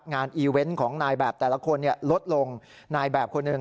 อีเวนต์ของนายแบบแต่ละคนลดลงนายแบบคนหนึ่ง